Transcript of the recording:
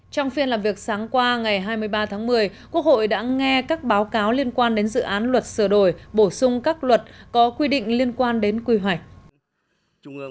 trong phiên làm việc sáng qua ngày hai mươi ba tháng một mươi quốc hội đã nghe các báo cáo liên quan đến dự án luật sửa đổi bổ sung các luật có quy định liên quan đến quy hoạch